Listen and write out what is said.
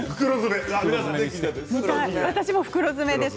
私も袋詰めです。